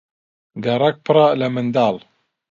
گەڕەک پڕە لە منداڵ.